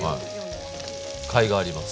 かいがあります。